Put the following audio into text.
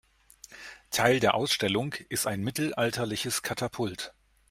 Teil der Ausstellung ist ein mittelalterliches Katapult.